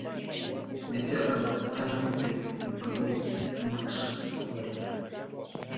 ndetse akaba atanafite umugabo wo kumufasha kubarera